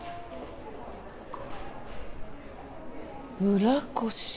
村越？